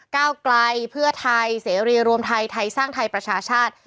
ก้าวไกลเพื่อไทยเสรีรวมไทยไทยสร้างไทยประชาชาติ